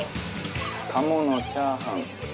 鴨のチャーハン。